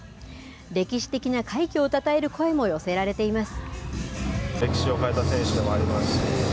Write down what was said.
歴史的な快挙をたたえる声も寄せられています。